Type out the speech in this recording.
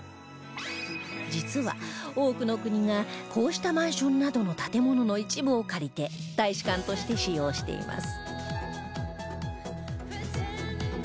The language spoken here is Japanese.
実は多くの国がこうしたマンションなどの建物の一部を借りて大使館として使用しています